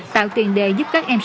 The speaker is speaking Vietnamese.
tạo tiền đề giúp các em